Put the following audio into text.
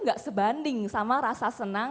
gak sebanding sama rasa senang